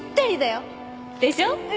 でしょ？